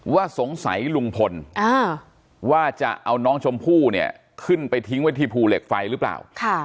ว่าสงสัยลุงพลว่าจะเอาน้องชมพู่เนี่ยขึ้นไปทิ้งไว้ที่ภูเหล็กไฟหรือเปล่า